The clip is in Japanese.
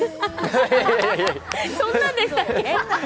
そんなんでしたっけ？